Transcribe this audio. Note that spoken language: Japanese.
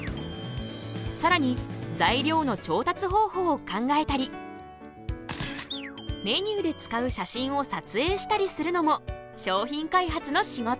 さらに材料の調達方法を考えたりメニューで使う写真を撮影したりするのも商品開発の仕事！